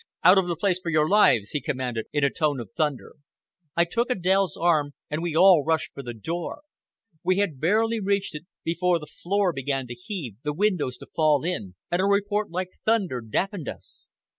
"Out of the place for your lives!" he commanded in a tone of thunder. I took Adèle's arm, we all rushed for the door. We had barely reached it before the floor began to heave, the windows to fall in, and a report like thunder deafened us!